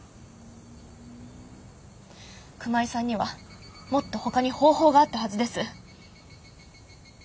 熊井さんにはもっとほかに方法があったはずです。